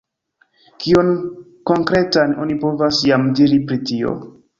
Kion konkretan oni povas jam diri pri tio?